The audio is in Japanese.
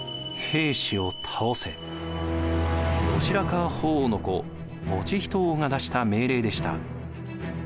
後白河法皇の子以仁王が出した命令でした。